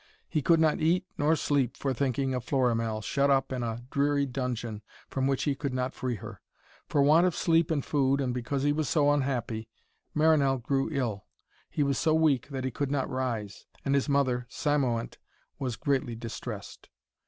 He could not eat nor sleep for thinking of Florimell, shut up in a dreary dungeon from which he could not free her. For want of sleep and food, and because he was so unhappy, Marinell grew ill. He was so weak that he could not rise, and his mother, Cymoënt, was greatly distressed.